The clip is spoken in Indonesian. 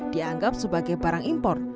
dianggap sebagai barang impor